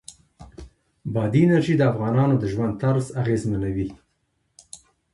بادي انرژي د افغانانو د ژوند طرز اغېزمنوي.